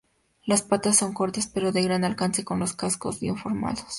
Las patas son cortas, pero de gran alcance, con los cascos bien formadas.